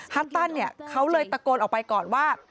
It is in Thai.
ฮัตตันเนี่ยเขาเลยตะโกนออกไปก่อนว่า